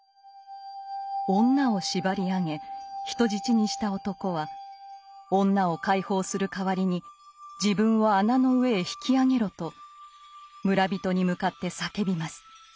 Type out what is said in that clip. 女を縛り上げ人質にした男は女を解放する代わりに自分を穴の上へ引き上げろと村人に向かって叫びます。